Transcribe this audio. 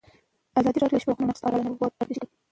ازادي راډیو د د بشري حقونو نقض په اړه نړیوالې اړیکې تشریح کړي.